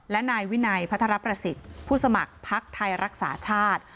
และนายวินัยพัทรประสิทธิ์ผู้สมัครพักไทยรักษาชาติ